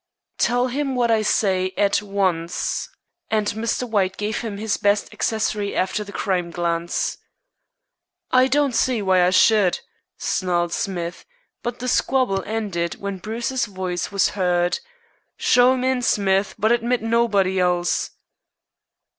"Tell him what I say at once," and Mr. White gave him his best "accessory after the crime" glance. "I don't see why I should," snarled Smith, but the squabble ended when Bruce's voice was heard "Show him in, Smith, but admit nobody else."